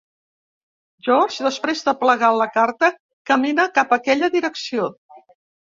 George, després de plegar la carta, camina cap aquella direcció.